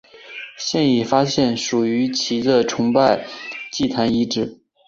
现已发现属于其的崇拜祭坛遗址。